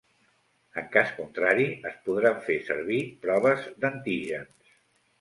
En cas contrari, es podran fer servir proves d’antígens.